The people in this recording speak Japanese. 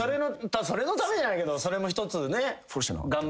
それのためじゃないけどそれも一つね頑張るあれ。